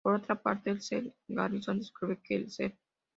Por otra parte el Sr. Garrison descubre que el Sr.